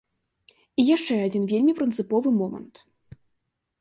І яшчэ адзін вельмі прынцыповы момант.